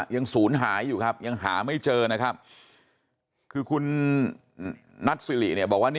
ยังศูนย์หายอยู่ยังหาไม่เจอนะครับ